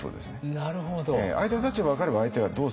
なるほど。